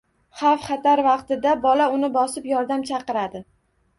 Xavf-xatar vaqtida bola uni bosib yordam chaqiradi.